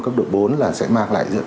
dịch vụ công cấp độ bốn là sẽ mang lại